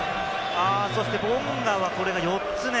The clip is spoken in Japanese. そしてボンガは、これで４つ目。